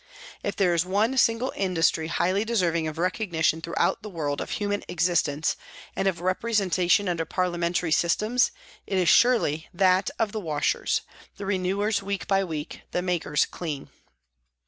If there is one single industry highly deserving of recognition throughout the world of human existence and of representation under parliamentary systems, it surely is that of the washers, the renewers week by week, the makers clean.